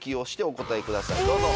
どうぞ。